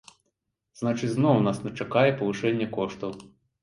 Значыць, зноў нас чакае павышэнне коштаў.